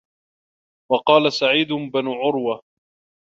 وَقَالَ سَعِيدُ بْنُ عُرْوَةَ